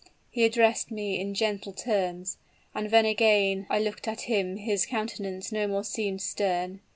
He addressed me in gentle terms; and when again I looked at him his countenance no more seemed stern.